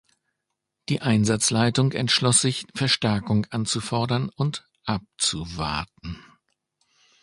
Die Einsatzleitung entschloss sich, Verstärkung anzufordern und abzuwarten.